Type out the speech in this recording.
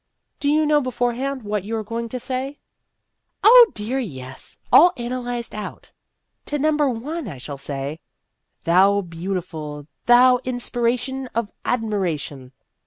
" Do you know beforehand what you are going to say ?"" Oh, dear, yes all analyzed out. To number one I shall say, ' Thou Beautiful ! thou inspiration of admiration